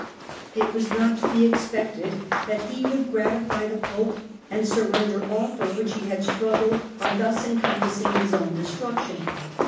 It was not to be expected that he would gratify the Pope and surrender all for which he had struggled by thus encompassing his own destruction.